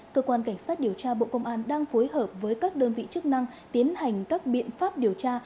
cơ quan cảnh sát điều tra bộ công an đang phối hợp với các đơn vị chức năng tiến hành các biện pháp điều tra